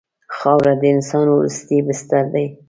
خاوره د انسان وروستی بستر دی.